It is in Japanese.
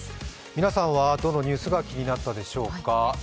皆さんはどのニュースが気になったでしょうか。